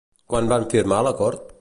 Quan van firmar l'acord?